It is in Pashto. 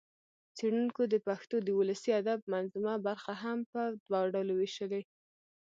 څېړنکو د پښتو د ولسي ادب منظومه برخه هم په دوه ډوله وېشلې